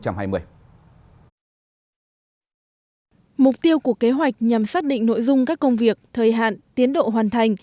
mục tiêu của kế hoạch nhằm xác định nội dung các công việc thời hạn tiến độ hoàn thành